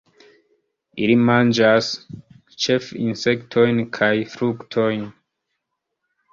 Ili manĝas ĉefe insektojn kaj frukton.